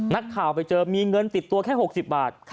นักข่าวไปเจอมีเงินติดตัวแค่๖๐บาท